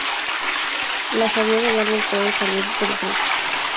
La savia del árbol puede salir del tronco.